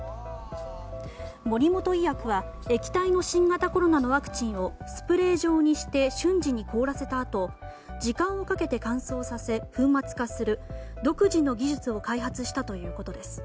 モリモト医薬は液体の新型コロナのワクチンをスプレー状にして瞬時に凍らせたあと時間をかけて乾燥させ粉末化する独自の技術を開発したということです。